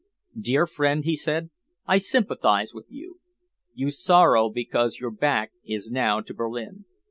"Dear friend," he said, "I sympathise with you. You sorrow because your back is now to Berlin.